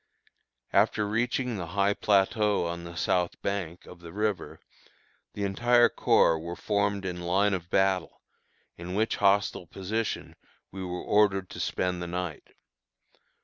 After reaching the high plateau on the south bank of the river, the entire corps were formed in line of battle, in which hostile position we were ordered to spend the night.